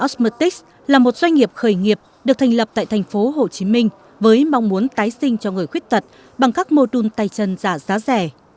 volcanomatics là một doanh nghiệp khởi nghiệp được thành lập tại thành phố hồ chí minh với mong muốn tái sinh cho người khuyết tật bằng các mô đun tay chân giả giá rẻ